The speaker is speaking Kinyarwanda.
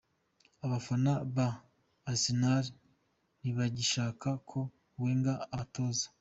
Abafana ba Arsenal ntibagishaka ko Wenger abatoza.